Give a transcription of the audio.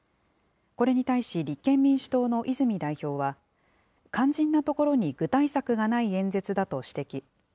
これに対し立憲民主党の泉代表は、肝心なところに具体策がない演説だと指摘。